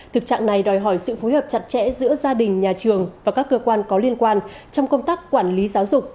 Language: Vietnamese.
thực trạng này đòi hỏi sự phối hợp chặt chẽ giữa gia đình nhà trường và các cơ quan có liên quan trong công tác quản lý giáo dục